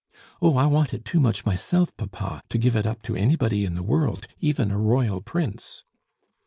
"Oh, I want it too much myself, papa, to give it up to anybody in the world, even a royal prince!"